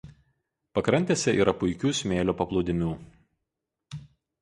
Pakrantėse yra puikių smėlio paplūdimių.